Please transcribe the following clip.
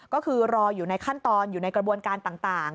ก็คือรออยู่ในขั้นตอนอยู่ในกระบวนการต่าง